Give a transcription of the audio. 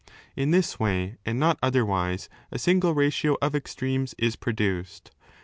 In this way and not "3 otherwise a single ratio of extremes is produced.